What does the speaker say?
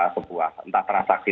sebuah entah prasakti